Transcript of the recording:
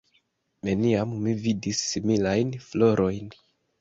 Neniam mi vidis similajn florojn.